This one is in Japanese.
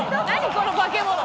この化け物。